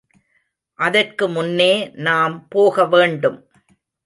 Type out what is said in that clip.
அதற்கு முன்னே நாம் போக வேண்டும்.